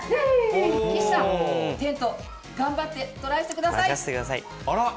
岸さん、てんと頑張ってトライしてください。